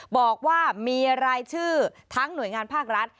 บอกว่ามีรายชื่อทั้งหน่วยงานภาครัฐ